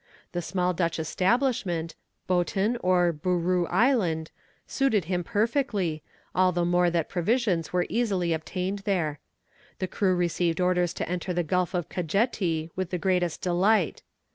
The small Dutch establishment, Boeton or Bourou Island, suited him perfectly, all the more that provisions were easily obtained there. The crew received orders to enter the Gulf of Cajeti with the greatest delight.